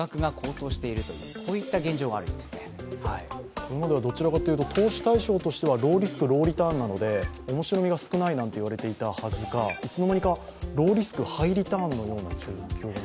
今まではどちらかというと投資対象としてはローリスク・ローリターンなので面白みが少ないと言われていたのが、いつのまにかローリスク・ハイリターンなような状況に。